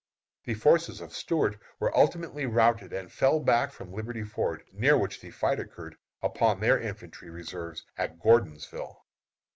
The forces of Stuart were ultimately routed and fell back from Liberty Ford, near which the fight occurred, upon their infantry reserves at Gordonsville.